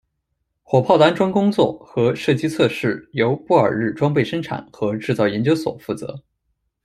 火炮的安装工作和射击测试由布尔日装备生产和制造研究所负责。